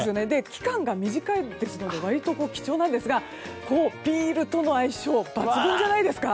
期間が短いですので割と貴重なんですがビールとの相性抜群じゃないですか。